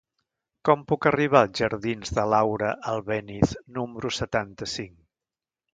Com puc arribar als jardins de Laura Albéniz número setanta-cinc?